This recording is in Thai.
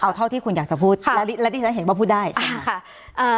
เอาเท่าที่คุณอยากจะพูดและที่ฉันเห็นว่าพูดได้ใช่ค่ะอ่า